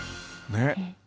ねっ！